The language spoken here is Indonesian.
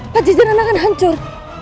pajajaran akan hancur